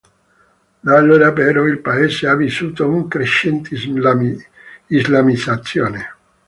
Da allora però il Paese ha vissuto una crescente islamizzazione.